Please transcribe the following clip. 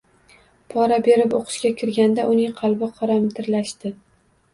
Pora berib o‘qishga kirganda uning qalbi qoramtirlashdi